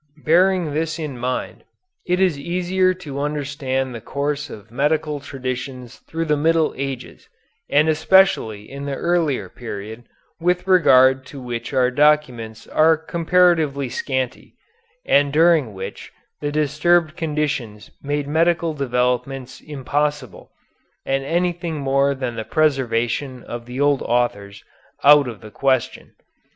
Bearing this in mind, it is easier to understand the course of medical traditions through the Middle Ages, and especially in the earlier period, with regard to which our documents are comparatively scanty, and during which the disturbed conditions made medical developments impossible, and anything more than the preservation of the old authors out of the question.